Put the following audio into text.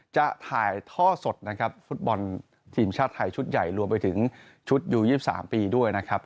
จะถ่ายท่อสดนะครับฟุตบอลทีมชาติไทยชุดใหญ่รวมไปถึงชุดยู๒๓ปีด้วยนะครับ